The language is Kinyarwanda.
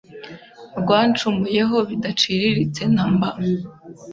Rwancumuyeho bidaciriritse namba